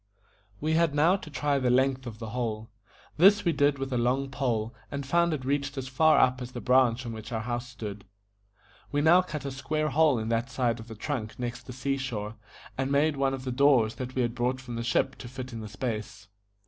We had now to try the length of the hole. This we did with a long pole, and found it reached as far up as the branch on which our house stood. We now cut a square hole in that side of the trunk next the sea shore, and made one of the doors that we had brought from the ship to fit in the space.